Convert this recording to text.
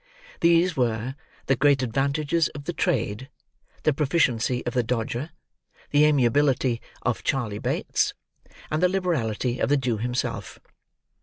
These were, the great advantages of the trade, the proficiency of the Dodger, the amiability of Charley Bates, and the liberality of the Jew himself.